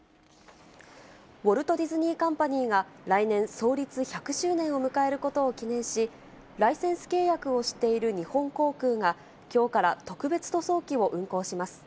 ウォルト・ディズニー・カンパニーが来年、創立１００周年を迎えることを記念し、ライセンス契約をしている日本航空が、きょうから特別塗装機を運航します。